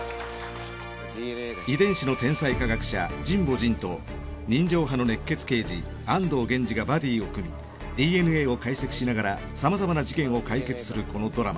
遺伝子の天才科学者神保仁と人情派の熱血刑事安堂源次がバディを組みＤＮＡを解析しながらさまざまな事件を解決するこのドラマ。